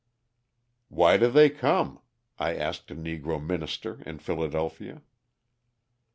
"Why do they come?" I asked a Negro minister in Philadelphia.